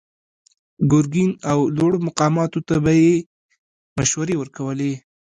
ګرګين او لوړو مقاماتو ته به يې مشورې ورکولې.